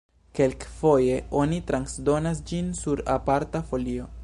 Kelkfoje oni transdonas ĝin sur aparta folio.